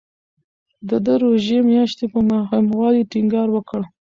ده د روژې میاشتې په مهموالي ټینګار وکړ.